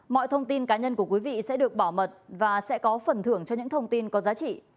mọi thông tin cá nhân của quý vị sẽ được bảo mật và sẽ có phần thưởng cho những thông tin có giá trị